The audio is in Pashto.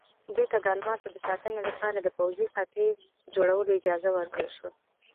دوی ته د الماسو د ساتنې لپاره د پوځي قطعې جوړولو اجازه ورکړل شوه.